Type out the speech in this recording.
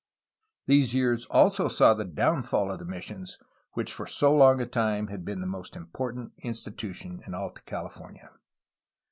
These years also saw the downfall of the missions, which for so long a time had been the most important institution in Alta California.